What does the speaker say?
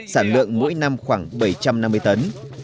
sản lượng mỗi năm khoảng bảy trăm năm mươi tấn